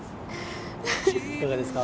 いかがですか？